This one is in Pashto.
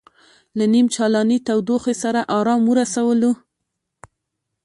له نیم چالانې تودوخې سره ارام ورسولو.